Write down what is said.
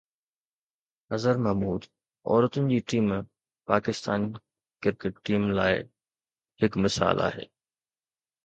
اظهر محمود عورتن جي team Pakistan cricket team لاءِ هڪ مثال آهي